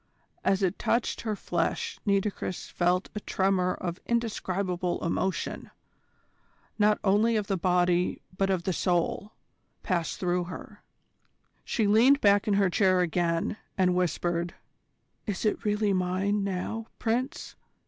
As it touched her flesh Nitocris felt a tremor of indescribable emotion, not only of the body but of the soul, pass through her. She leaned back in her chair again, and whispered: "Is it really mine now, Prince?